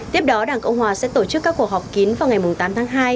tiếp đó đảng cộng hòa sẽ tổ chức các cuộc họp kín vào ngày tám tháng hai